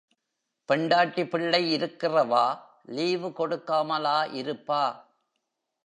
பெண்டாட்டி, பிள்ளை இருக்கிறவா லீவு கொடுக்காமலா இருப்பா?